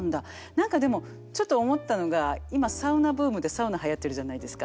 何かでもちょっと思ったのが今サウナブームでサウナはやってるじゃないですか。